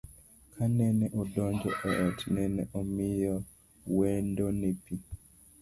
Kanene odonjo e ot, nene omiyo wendone pii